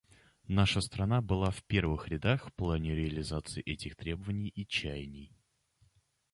Наша страна была в первых рядах в плане реализации этих требований и чаяний.